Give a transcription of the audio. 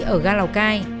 ở ga lào cai